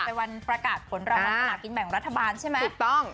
เป็นวันประกาศของเราค่ะขณะกินแบบของรัฐบาลใช่ไหมถูกต้อง